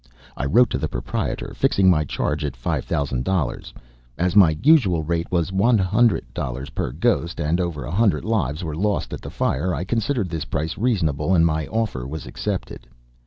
I wrote to the proprietor, fixing my charge at five thousand dollars. As my usual rate was one hundred dollars per ghost, and over a hundred lives were lost at the fire, I considered this price reasonable, and my offer was accepted.